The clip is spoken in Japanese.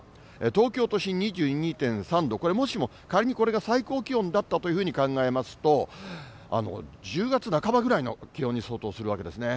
東京都心２２．３度、これもしも仮にこれが最高気温だったというふうに考えますと、１０月半ばぐらいの気温に相当するわけですね。